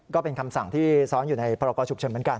ก็เป็นคำสั่งที่ซ้อนอยู่ในพชเหมือนกัน